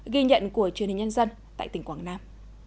ghi nhận của truyền hình nhân dân tại tỉnh quảng nam